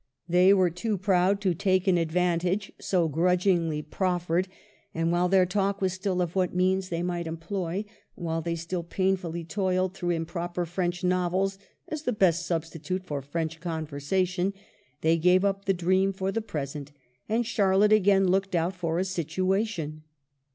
They were too proud to take an advantage so grudgingly proffered ; and while their talk was still of what means they might employ, while they still painfully toiled through improper French novels as " the best substitute for French conversation," they gave up the dream for the present, and Charlotte again looked out for a situation.